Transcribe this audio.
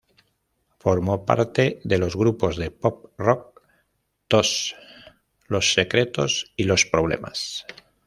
Formó parte de los grupos de pop rock Tos, Los Secretos y Los Problemas.